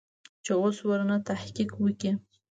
چې اوس ورنه تحقيق وکې.